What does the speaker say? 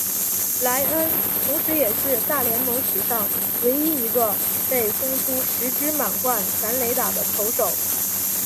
莱恩同时也是大联盟史上唯一一个被轰出十支满贯全垒打的投手。